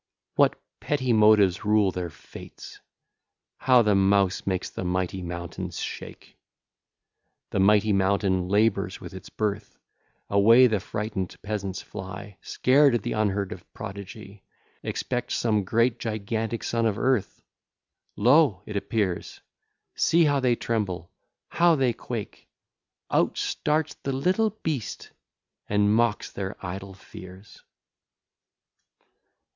What petty motives rule their fates! How the mouse makes the mighty mountains shake! The mighty mountain labours with its birth, Away the frighten'd peasants fly, Scared at the unheard of prodigy, Expect some great gigantic son of earth; Lo! it appears! See how they tremble! how they quake! Out starts the little beast, and mocks their idle fears.